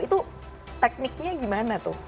itu tekniknya gimana tuh